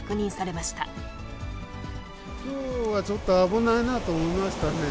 きょうはちょっと危ないなと思いましたね。